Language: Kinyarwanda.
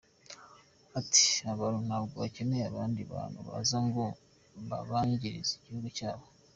Ati “ Abantu ntabwo bakeneye abandi bantu baza ngo babangiririze igihugu cyabo.